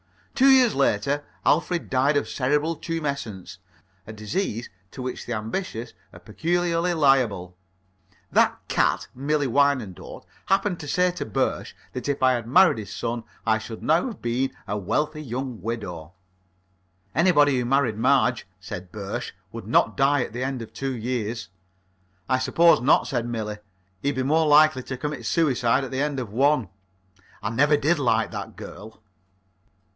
Two years later Alfred died of cerebral tumescence a disease to which the ambitious are peculiarly liable. That cat, Millie Wyandotte, happened to say to Birsch that if I had married his son I should now have been a wealthy young widow. "Anybody who married Marge," said Birsch, "would not die at the end of two years." "I suppose not," said Millie. "He'd be more likely to commit suicide at the end of one." I never did like that girl.